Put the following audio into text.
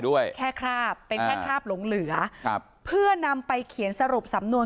ด้วยแค่คราบเป็นแค่คราบหลงเหลือครับเพื่อนำไปเขียนสรุปสำนวน